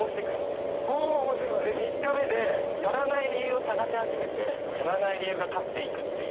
で３日目でやらない理由を探し始めてやらない理由が勝っていくっていう。